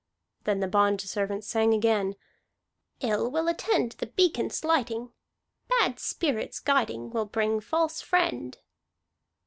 Then the bondservant sang again: "Ill will attend The beacon's lighting. Bad spirit's guiding Will bring false friend."